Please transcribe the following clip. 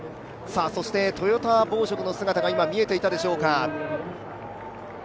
トヨタ紡織の姿が今見えていたでしょうか。